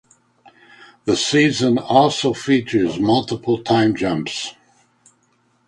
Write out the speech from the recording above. The season also features multiple time jumps.